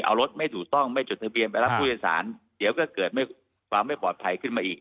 เอารถไม่ถูกต้องไม่จดทะเบียนไปรับผู้โดยสารเดี๋ยวก็เกิดความไม่ปลอดภัยขึ้นมาอีก